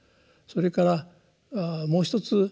それからもう一つ。